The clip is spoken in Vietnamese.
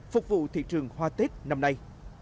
phục vụ thị trường hoa tết năm nay